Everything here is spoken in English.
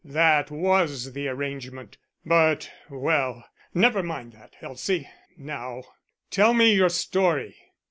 That was the arrangement, but well, never mind that, Elsie, now; tell me your story."